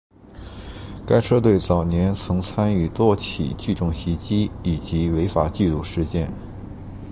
该车队早年曾参与多起聚众袭击以及违法聚赌事件。